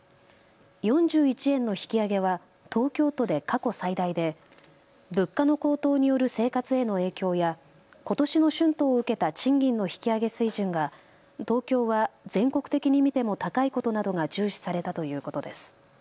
４１円の引き上げは東京都で過去最大で物価の高騰による生活への影響やことしの春闘を受けた賃金の引き上げ水準が東京は全国的に見ても高いことなどが重視されたということです。